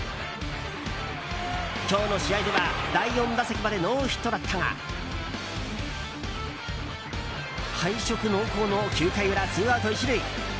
今日の試合では第４打席までノーヒットだったが敗色濃厚の９回裏、ツーアウト１塁。